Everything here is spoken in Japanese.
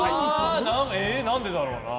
何でだろうな。